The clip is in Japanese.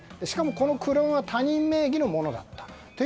しかも、この車は他人名義のものだった。